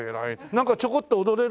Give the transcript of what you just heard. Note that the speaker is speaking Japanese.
なんかちょこっと踊れるの？